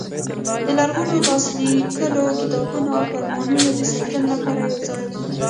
د لرغونو لاس لیکلو کتابونو او فرمانونو د ساتنې لپاره یو ځای دی.